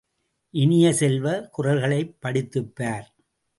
இனிய செல்வ, குறள்களைப் படித்துப்பார்!